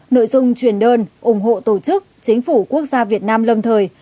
nội dung truyền đơn ủng hộ tổ chức chính phủ quốc gia việt nam lâm thời